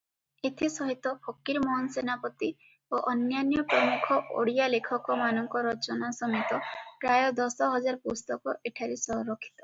ଏଥିସହିତ ଫକୀରମୋହନ ସେନାପତି ଓ ଅନ୍ୟାନ୍ୟ ପ୍ରମୁଖ ଓଡ଼ିଆ ଲେଖକମାନଙ୍କ ରଚନା ସମେତ ପ୍ରାୟ ଦଶ ହଜାର ପୁସ୍ତକ ଏଠାରେ ସଂରକ୍ଷିତ ।